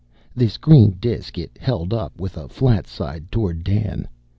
This green disk it held up, with a flat side toward Dan.